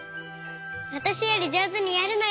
わたしよりじょうずにやるのよ！